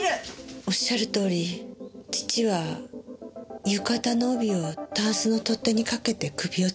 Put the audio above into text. おっしゃるとおり父は浴衣の帯をタンスの取っ手に掛けて首をつってたんです。